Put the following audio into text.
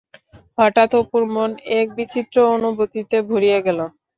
হঠাৎ অপুর মন এক বিচিত্র অনুভূতিতে ভরিয়া গেল।